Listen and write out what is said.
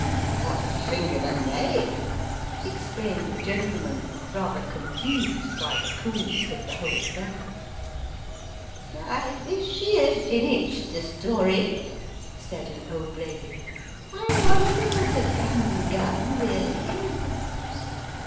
" What a singular name !" exclaimed the gentlemen, rather confused by the coolness of the whole aifair. " I wish he had finished the story," said an old lady. " I wonder what a gum gum really is